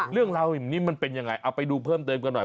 เรื่องราวอย่างนี้มันเป็นยังไงเอาไปดูเพิ่มเติมกันหน่อย